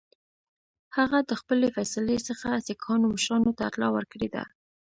هغه د خپلي فیصلې څخه سیکهانو مشرانو ته اطلاع ورکړې ده.